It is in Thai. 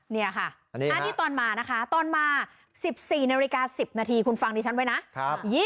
นี่ค่ะอันนี้ตอนมานะคะตอนมา๑๔นาฬิกา๑๐นาทีคุณฟังดิฉันไว้นะ